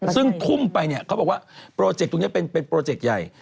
ซึ่งทุ่มไปเนี่ยเขาบอกว่าโปรเจกต์ตรงนี้เป็นโปรเจกต์ใหญ่